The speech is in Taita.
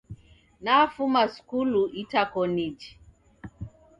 Nafuma skulu itakoniji.